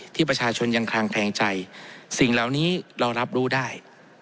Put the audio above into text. ที่ประชาชนยังคลางแคลงใจสิ่งเหล่านี้เรารับรู้ได้